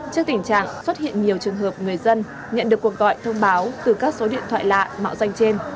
trước tình trạng xuất hiện nhiều trường hợp người dân nhận được cuộc gọi thông báo từ các số điện thoại lạ mạo danh trên